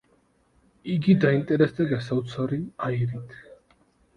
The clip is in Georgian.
იგი დაინტერესდა გასაოცარი აირით.